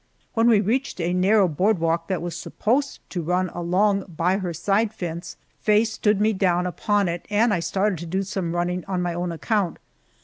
When we reached a narrow board walk that was supposed to run along by her side fence, Faye stood me down upon it, and I started to do some running on my own account.